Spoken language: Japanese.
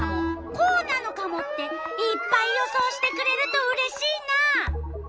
こうなのカモ？」っていっぱい予想してくれるとうれしいな！